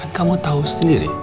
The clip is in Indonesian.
kan kamu tau sendiri